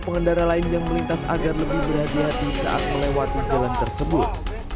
pengendara lain yang melintas agar lebih berhati hati saat melewati jalan tersebut